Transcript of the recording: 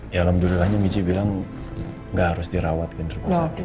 ya alhamdulillahnya michi bilang gak harus dirawat kan rumah sakit